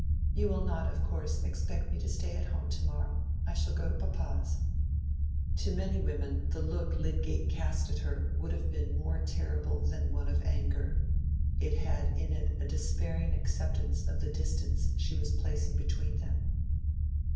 You will not, of course, expect me to stay at home to morrow. I shall go to papa's." To many women the look Lydgate cast at her would have been more terrible than one of anger: it had in it a despairing acceptance of the distance she was placing between them.